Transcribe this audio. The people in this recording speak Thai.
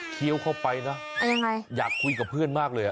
เคี้ยวเข้าไปนะอยากคุยกับเพื่อนมากเลยอ่ะ